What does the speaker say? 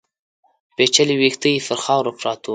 پيچلي ويښته يې پر خاورو پراته ول.